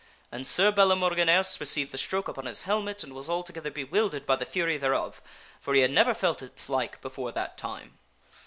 And Sir Balamorgineas received the stroke upon his helmet and was altogether bewildered by the fury thereof, for he had never felt its like before that time.